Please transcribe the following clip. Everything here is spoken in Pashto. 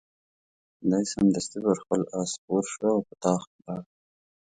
دی سمدستي پر خپل آس سپور شو او په تاخت ولاړ.